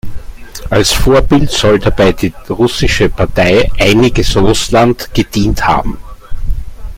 Als Vorbild soll dabei die russische Partei „Einiges Russland“ gedient haben.